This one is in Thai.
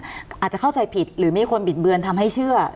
อาจจะเข้าใจผิดหรือมีคนบิดเบือนทำให้เชื่อ